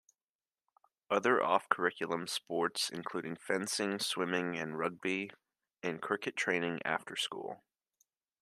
Other off-curriculum sports include fencing, swimming, and rugby and cricket training after school.